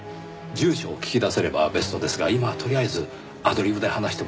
住所を聞き出せればベストですが今はとりあえずアドリブで話してもらえれば。